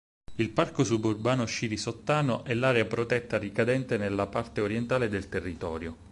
Il "Parco Suburbano Sciri Sottano" è l'area protetta ricadente nella parte orientale del territorio.